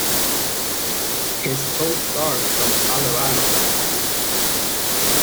His co-stars from 'Allo 'Allo!